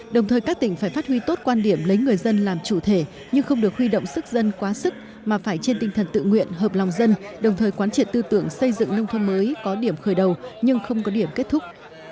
đồng thời các tỉnh phải phát huy tốt quan điểm lấy người dân làm chủ thể nhưng không được huy động sức dân quá sức mà phải trên tinh thần tự nguyện hợp lòng dân đồng thời quán triển tư tưởng xây dựng nông thôn mới có điểm khởi đầu nhưng không có điểm kết thúc